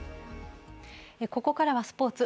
ここからはスポーツ。